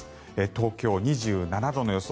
東京、２７度の予想。